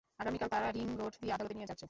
আগামীকাল তারা ring road দিয়ে আদালতে নিয়ে যাচ্ছে।